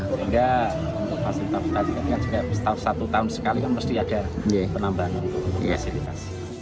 sehingga pas kita berkati kati setahun satu tahun sekali kan pasti ada penambahan untuk kemampuan